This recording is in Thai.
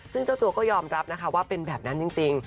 ซึ่งเจ้าตัวก็ยอมรับนะคะว่าเป็นแบบนั้นจริง